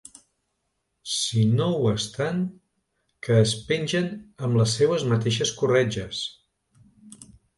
Si no ho estan, que es pengen amb les seues mateixes corretges.